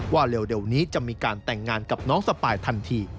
ว่าเร็วนี้จะมีการแต่งงานกับน้องสปายทันที